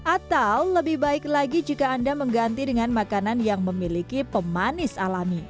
atau lebih baik lagi jika anda mengganti dengan makanan yang memiliki pemanis alami